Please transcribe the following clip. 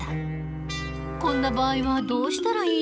こんな場合はどうしたらいいの？